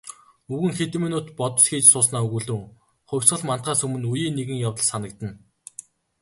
Өвгөн хэдэн минут бодос хийж сууснаа өгүүлрүүн "Хувьсгал мандахаас өмнө үеийн нэгэн явдал санагдана".